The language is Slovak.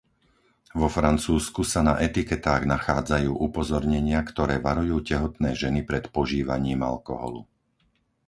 Vo Francúzsku sa na etiketách nachádzajú upozornenia, ktoré varujú tehotné ženy pred požívaním alkoholu.